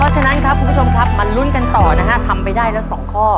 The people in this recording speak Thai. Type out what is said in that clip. เจมส์